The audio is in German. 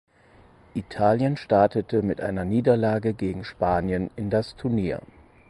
Italien startete mit einer Niederlage gegen Spanien in das Turnier.